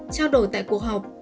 trao đổi tại cuộc học